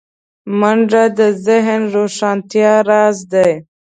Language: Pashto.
منډه د ذهن روښانتیا راز دی